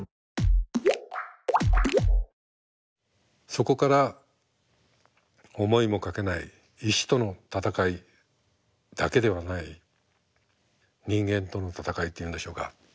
そこから思いもかけない石との闘いだけではない人間との闘いっていうんでしょうか。